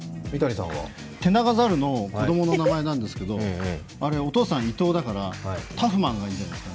テナガザルの子供の名前なんですけど、あれ、お父さんイトウだからタフマンがいいじゃないですか？